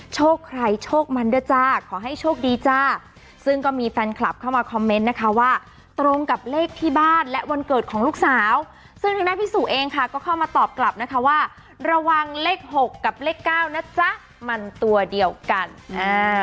โชคใครโชคมันเด้อจ้าขอให้โชคดีจ้าซึ่งก็มีแฟนคลับเข้ามาคอมเมนต์นะคะว่าตรงกับเลขที่บ้านและวันเกิดของลูกสาวซึ่งทางด้านพี่สุเองค่ะก็เข้ามาตอบกลับนะคะว่าระวังเลขหกกับเลขเก้านะจ๊ะมันตัวเดียวกันอ่า